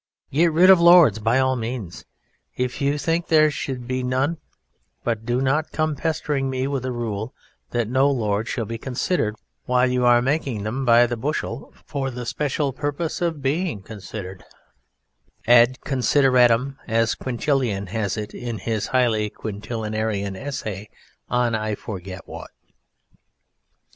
Get rid of Lords by all means, if you think there should be none, but do not come pestering me with a rule that no Lord shall be considered while you are making them by the bushel for the special purpose of being considered ad considerandum as Quintillian has it in his highly Quintillianarian essay on I forget what.